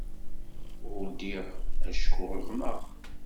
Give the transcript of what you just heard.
Ur ddiɣ acku uḍneɣ.